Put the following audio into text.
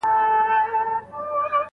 که مړه شئ بيا به مو پر لويو ږيرو ټال وهي